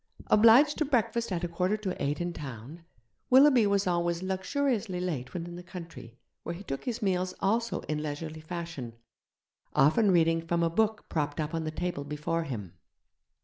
Obliged to breakfast at a quarter to eight in town, Willoughby was always luxuriously late when in the country, where he took his meals also in leisurely fashion, often reading from a book propped up on the table before him.